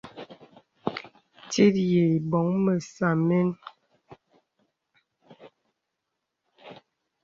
Tit yə îbɔ̀ŋ mə̄zɛ̄ mēn.